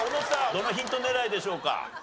どのヒント狙いでしょうか？